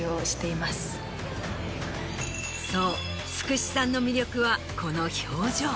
そうつくしさんの魅力はこの表情。